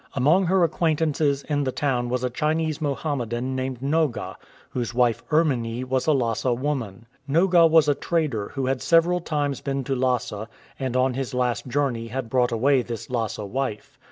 Among her acquaintances in the town was a Chinese Mohammedan named Noga, whose wife, Erminie, was a Lhasa woman. Noga was a trader who had several times been to Lhasa, and on his last journey had brought away this Lhasa wife.